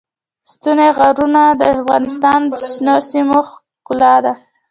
ستوني غرونه د افغانستان د شنو سیمو ښکلا ده.